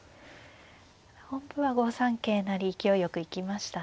本譜は５三桂成勢いよく行きましたね。